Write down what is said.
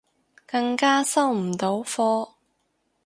更加收唔到科